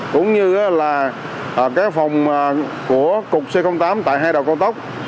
cũng như là các phòng của cục c tám tại hai đầu con tóc